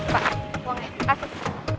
pak buangnya kasus